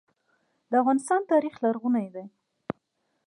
د افغانستان تاریخ لرغونی دی